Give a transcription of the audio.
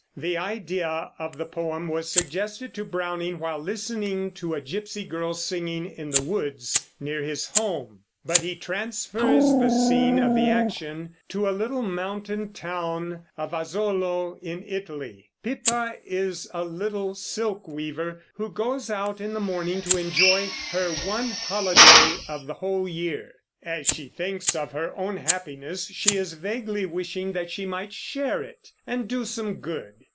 The idea of the poem was suggested to Browning while listening to a gypsy girl singing in the woods near his home; but he transfers the scene of the action to the little mountain town of Asolo, in Italy. Pippa is a little silk weaver, who goes out in the morning to enjoy her one holiday of the whole year. As she thinks of her own happiness she is vaguely wishing that she might share it, and do some good.